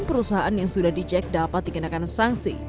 perusahaan yang sudah dicek dapat dikenakan sanksi